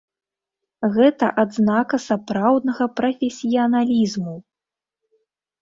Гэта адзнака сапраўднага прафесіяналізму!